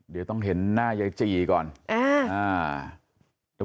เดี๋ยวต้องเห็นหน้ายายจีก่อนอ่า